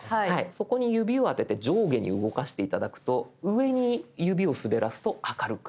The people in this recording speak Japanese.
そこに指を当てて上下に動かして頂くと上に指を滑らすと明るく。